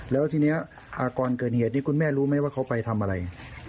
แล้วทีนี้ก่อนเกิดเหตุนี้คุณแม่รู้ไหมว่าเขาไปทำอะไร